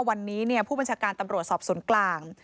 วันนี้ผู้บัญชาการตำรวจสอบสวนกลาง